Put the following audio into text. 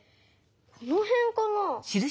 このへんかな？